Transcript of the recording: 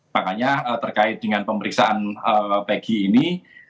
makanya terkait dengan pemeriksaan pg ini